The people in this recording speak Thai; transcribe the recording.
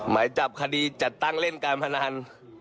ไหมจับคดีจัดตั้งเล่นกลายมานาน